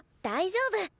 大丈夫！